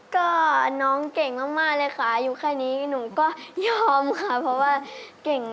ก็น้องเก่งมากเลยค่ะอยู่แค่นี้หนูก็ยอมค่ะเพราะว่าเก่ง